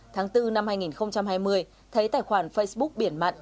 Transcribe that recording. tháng bốn năm hai nghìn hai mươi thấy tài khoản facebook biển mặn